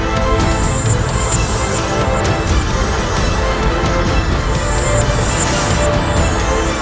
amin ya rukh alamin